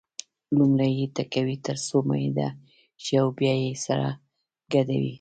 لومړی یې ټکوي تر څو میده شي او بیا یې سره ګډوي.